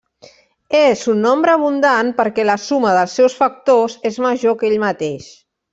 És un nombre abundant perquè la suma dels seus factors és major que ell mateix.